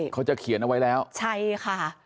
เขาจะเขียนเอาไว้แล้วใช่ค่ะ